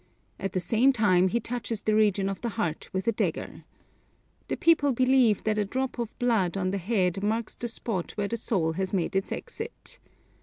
At the same time he touches the region of the heart with a dagger. The people believe that a drop of blood on the head marks the spot where the soul has made its exit.